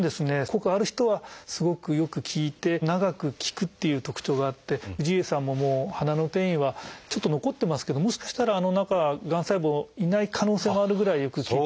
効果がある人はすごくよく効いて長く効くっていう特徴があって氏家さんももう鼻の転移はちょっと残ってますけどもしかしたらあの中はがん細胞いない可能性もあるぐらいよく効いてます。